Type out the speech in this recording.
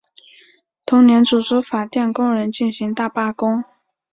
同年组织法电工人进行大罢工。